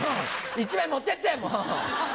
１枚持ってってもう！